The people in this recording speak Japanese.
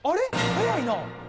早いな。